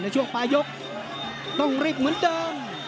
ช่วงปลายยกต้องรีบเหมือนเดิม